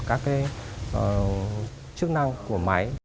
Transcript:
các chức năng của máy